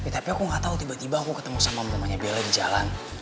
tapi aku gak tau tiba tiba aku ketemu sama mamanya bella di jalan